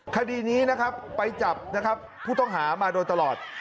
คดีนี้ไปจับผู้ต้องหามาโดยตลอด